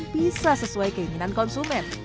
foto yang dihasilkan bisa sesuai keinginan konsumen